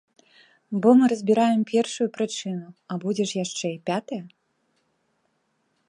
Бо мы разбіраем першую прычыну, а будзе ж яшчэ й пятая!